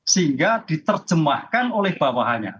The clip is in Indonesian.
sehingga diterjemahkan oleh bawahannya